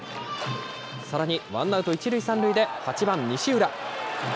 さらにワンアウト１塁３塁で８番西浦。